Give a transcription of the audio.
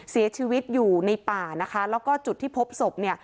เสียชีวิตอยู่ในป่านะคะแล้วก็จุดที่พบศพเนี่ย